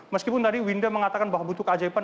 meskipun tadi winda mengatakan bahwa butuh keajaiban